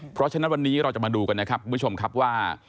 เพราะฉะนั้นวันนี้เราจะมาดูกันนะครับคุณผู้ชมครับว่า